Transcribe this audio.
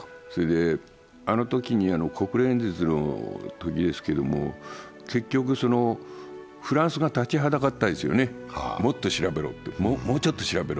あのとき、国連演説のときですけれども、結局、フランスが立ちはだかったんですよね、もうちょっと調べろと。